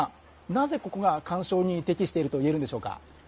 なぜここが鑑賞に適していると言えるんでしょうか。